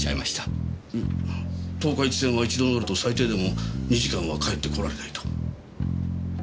十日市線は一度乗ると最低でも２時間は帰ってこられないと。